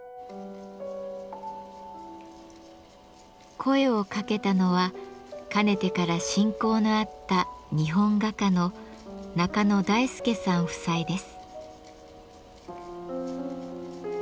声をかけたのはかねてから親交のあった日本画家の中野大輔さん夫妻です。